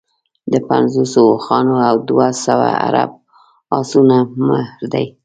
د پنځوسو اوښانو او دوه سوه عرب اسونو مهر دی.